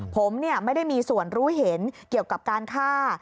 ผมไม่ได้มีส่วนรู้เห็นเกี่ยวกับการฆ่า